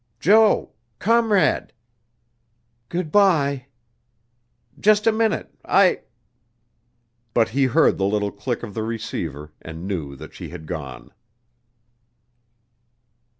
"Jo comrade!" "Good bye." "Just a minute, I " But he heard the little click of the receiver and knew that she had gone.